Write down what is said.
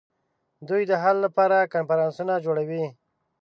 دوی د حل لپاره کنفرانسونه جوړوي